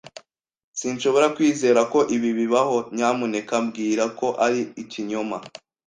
Sinshobora kwizera ko ibi bibaho. Nyamuneka mbwira ko ari ikinyoma!